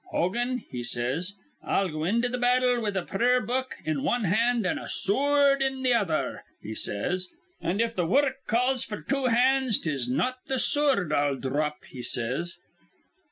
'Hogan,' he says, 'I'll go into th' battle with a prayer book in wan hand an' a soord in th' other,' he says; 'an' if th' wurruk calls f'r two hands, 'tis not th' soord I'll dhrop,' he says.